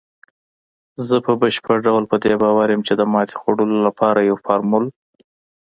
زه په بشپړ ډول په دې باور یم، چې د ماتې خوړلو لپاره یو فارمول